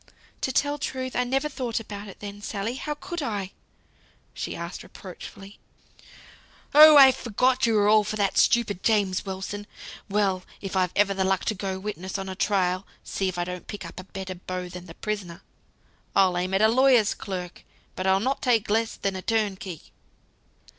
"To tell truth, I never thought about it then, Sally. How could I?" asked she, reproachfully. "Oh I forgot. You were all for that stupid James Wilson. Well! if I've ever the luck to go witness on a trial, see if I don't pick up a better beau than the prisoner. I'll aim at a lawyer's clerk, but I'll not take less than a turnkey."